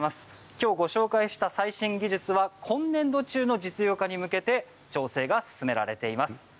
きょう、ご紹介した最新技術は今年度中の実用化に向けて調整が進められています。